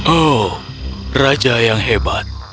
oh raja yang hebat